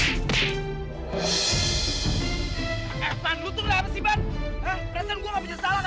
eh pan lu tuh kenapa sih pan